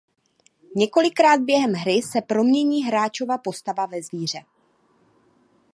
Několikrát během hry se promění hráčova postava ve zvíře.